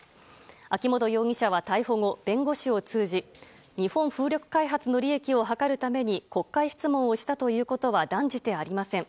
秋本容疑者は逮捕後、弁護士を通じ日本風力開発の利益を図るために国会質問をしたということは断じてありません。